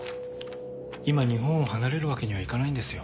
今日本を離れるわけにはいかないんですよ。